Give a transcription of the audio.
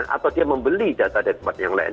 atau dia membeli data dari tempat yang lain